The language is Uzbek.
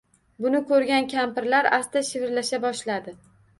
Buni koʻrgan kampirlar asta shivirlasha boshladi: